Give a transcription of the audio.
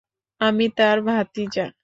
আমি তার ভাতিজা!